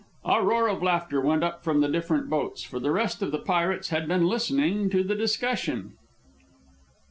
A roar of laughter went up from the different boats, for the rest of the pirates had been listening to the discussion.